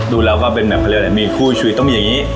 ดูแล้วว่าเป็นแบบเขาเรียกอะไรมีคู่ชีวิตต้องมีอย่างนี้